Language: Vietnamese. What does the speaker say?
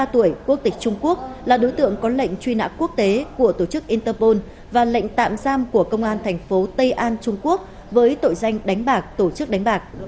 ba mươi tuổi quốc tịch trung quốc là đối tượng có lệnh truy nã quốc tế của tổ chức interpol và lệnh tạm giam của công an thành phố tây an trung quốc với tội danh đánh bạc tổ chức đánh bạc